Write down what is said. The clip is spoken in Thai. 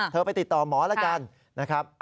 เธอไปติดต่อหมอล่ะกันนะครับ